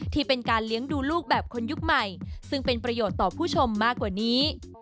ที่เป็นการเลี้ยงดูลูกแบบคนยุคใหม่ซึ่งเป็นประโยชน์ต่อผู้ชมมากกว่านี้